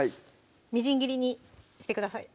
みじん切りにしてください